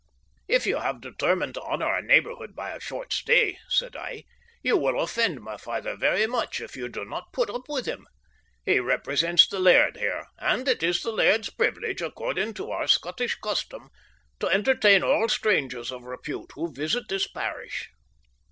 "If you have determined to honour our neighbourhood by a short stay," said I, "you will offend my father very much if you do not put up with him. He represents the laird here, and it is the laird's privilege, according to our Scottish custom, to entertain all strangers of repute who visit this parish."